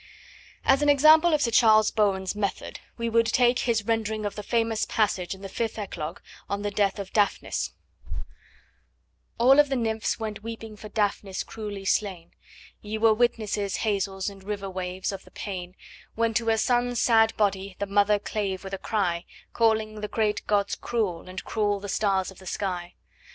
As an example of Sir Charles Bowen's method we would take his rendering of the famous passage in the fifth Eclogue on the death of Daphnis: All of the nymphs went weeping for Daphnis cruelly slain: Ye were witnesses, hazels and river waves, of the pain When to her son's sad body the mother clave with a cry, Calling the great gods cruel, and cruel the stars of the sky.